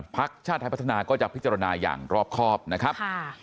พักชาติไทยพัฒนาก็จะพิจารณาอย่างรอบครอบนะครับ